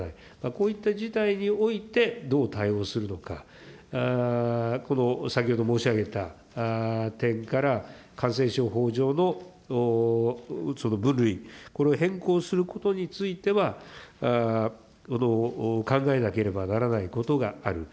こういった事態においてどう対応するのか、先ほど申し上げた点から感染症法上の分類、これを変更することについては、考えなければならないことがある。